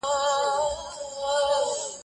هغه وويل چي ميوې صحي دي،